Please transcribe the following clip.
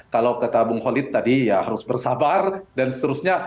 kalau kata bung holid tadi ya harus bersabar dan seterusnya